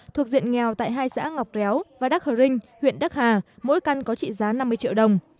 thuộc diện nghèo tại hai xã ngọc réo và đắc hờ rinh huyện đắc hà mỗi căn có trị giá năm mươi triệu đồng